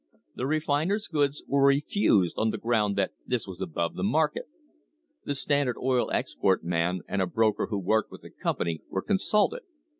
The refiners' goods were refused on the ground that this was above the market. The Standard Oil export man and a broker who worked with the company were consulted.